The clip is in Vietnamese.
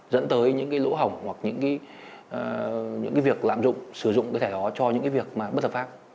dẫn tới những cái lỗ hỏng hoặc những cái việc lạm dụng sử dụng cái thẻ đó cho những cái việc mà bất hợp pháp